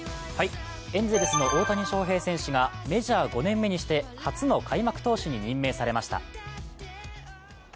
エンゼルスの大谷翔平選手がメジャー５年目にして初の開幕投手に任命されました。